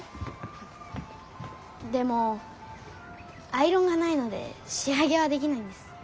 でもアイロンがないので仕上げはできないんです。